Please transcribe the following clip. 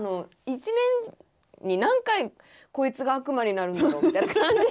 １年に何回こいつが悪魔になるんだろうみたいな感じ。